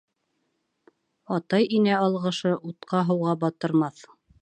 Атай-инә алғышы утҡа-һыуға батырмаҫ.